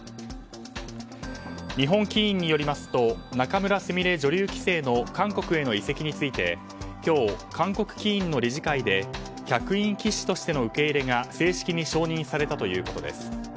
日本棋院によりますと仲邑菫女流棋聖の韓国への移籍について今日、韓国棋院の理事会で客員棋士としての受け入れが正式に承認されたということです。